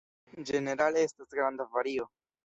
Ĝenerale estas granda vario.